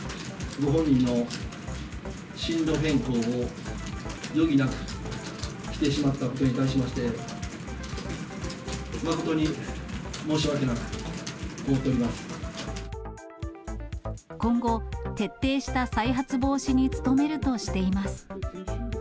ご本人の進路変更を余儀なくしてしまったことに対しまして、今後、徹底した再発防止に努めるとしています。